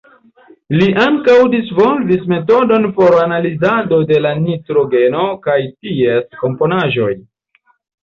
Li ankaŭ disvolvis metodon por analizado de la nitrogeno kaj ties komponaĵoj.